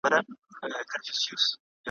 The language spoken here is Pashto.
له ګناه څخه مخکي د توبې نيت کول فاسده اراده ده.